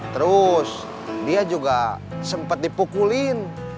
terus dia juga sempat dipukulin